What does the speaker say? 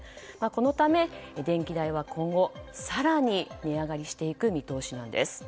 このため、電気代は今後更に値上がりしていく見通しです。